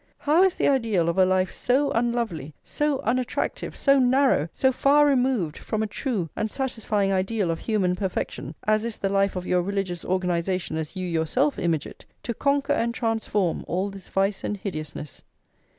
How is the ideal of a life so unlovely, so unattractive, so narrow, so far removed from a true and satisfying ideal of human perfection, as is the life of your religious organisation as you yourself image it, to conquer and transform all this vice and hideousness?